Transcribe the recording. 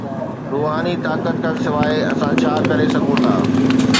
روحاني طاقت کان سواء، اسان ڇا ڪري سگهون ٿا؟